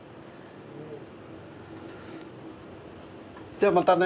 じゃあまたね。